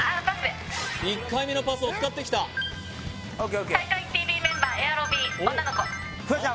１回目のパスを使ってきた「体育会ＴＶ」メンバーエアロビ女の子フワちゃん